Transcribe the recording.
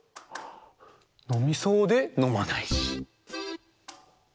のみそうでのまないし。